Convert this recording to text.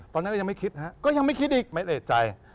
ตอนนั้นก็ยังไม่คิดฮะก็ยังไม่คิดอีกไม่เอกใจ